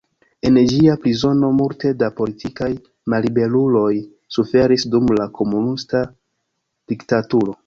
En ĝia prizono multe da politikaj malliberuloj suferis dum la komunista diktaturo.